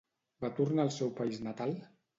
Va tornar al seu país natal?